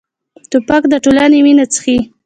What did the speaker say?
توپک د ټولنې وینه څښي.